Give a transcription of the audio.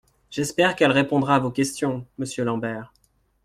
J’espère qu’elle répondra à vos questions, monsieur Lambert.